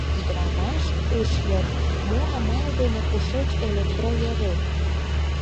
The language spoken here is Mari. Ӱдырамаш ыш йод — мо амал дене, кушеч электро йӧрен.